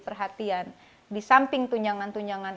perhatian di samping tunjangan tunjangan